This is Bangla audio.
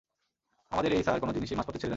আমাদের এই স্যার কোনো জিনিসই মাঝপথে ছেড়ে দেন না।